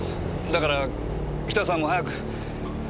だからキタさんも早く。